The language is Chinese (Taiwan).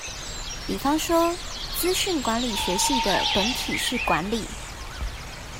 比方說「資訊管理學系」的本體是管理